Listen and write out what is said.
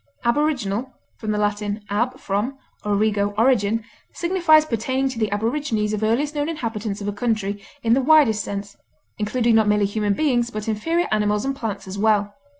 Aboriginal (L. ab, from, origo, origin) signifies pertaining to the aborigines or earliest known inhabitants of a country in the widest sense, including not merely human beings but inferior animals and plants as well.